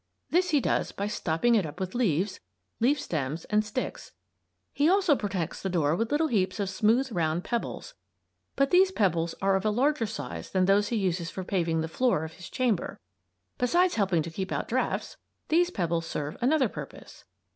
This he does by stopping it up with leaves, leaf stems, and sticks. He also protects the door with little heaps of smooth round pebbles; but these pebbles are of a larger size than those he uses for paving the floor of his chamber. Besides helping to keep out drafts these pebbles serve another purpose.